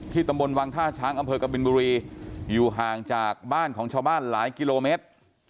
ตำบลวังท่าช้างอำเภอกบินบุรีอยู่ห่างจากบ้านของชาวบ้านหลายกิโลเมตร